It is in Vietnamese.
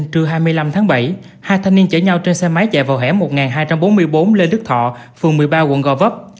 trưa hai mươi năm tháng bảy hai thanh niên chở nhau trên xe máy chạy vào hẻm một nghìn hai trăm bốn mươi bốn lê đức thọ phường một mươi ba quận gò vấp